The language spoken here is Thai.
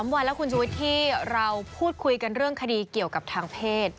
วันแล้วคุณชุวิตที่เราพูดคุยกันเรื่องคดีเกี่ยวกับทางเพศ